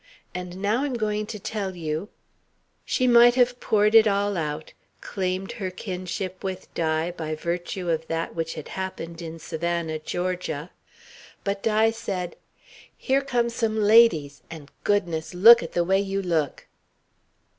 And now I'm going to tell you " She might have poured it all out, claimed her kinship with Di by virtue of that which had happened in Savannah, Georgia. But Di said: "Here come some ladies. And goodness, look at the way you look!"